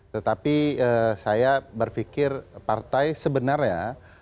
tetapi saya berpikir partai sebenarnya